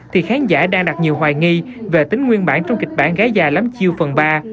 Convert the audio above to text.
thì khán giả đang đặt nhiều hoài nghi về tính nguyên bản trong kịch bản gái dài lắm chiêu phần ba